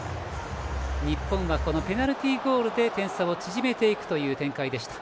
日本は、ペナルティーゴールで点差を縮めていく展開でした。